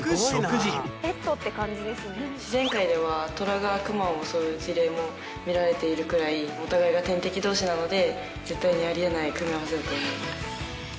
自然界ではトラがクマを襲う事例も見られているくらいお互いが天敵同士なので絶対にあり得ない組み合わせだと思います。